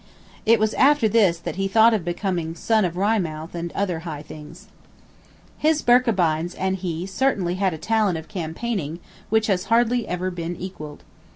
It was after this that he thought of becoming son of Wry Mouth and other higher things. His Birkebeins and he had certainly a talent of campaigning which has hardly ever been equalled.